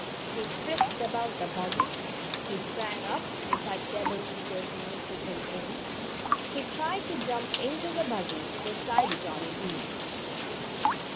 He frisked about the buggy, he sprang up and touched Ebenezer's nose with his own, he tried to jump into the buggy beside Johnnie Green.